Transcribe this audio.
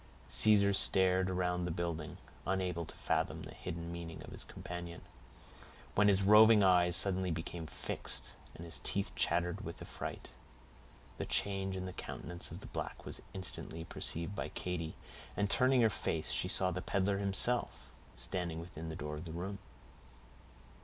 Caesar stared around the building, unable to fathom the hidden meaning of his companion, when his roving eyes suddenly became fixed, and his teeth chattered with affright. The change in the countenance of the black was instantly perceived by Katy, and turning her face, she saw the peddler himself, standing within the door of the room.